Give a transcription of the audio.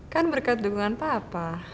kan berkat dukungan papa